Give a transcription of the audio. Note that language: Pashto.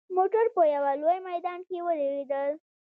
موټر په یوه لوی میدان کې ودرېدل.